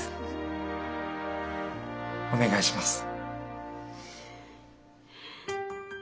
お願いします。